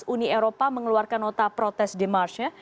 uni eropa mengeluarkan nota protes di march nya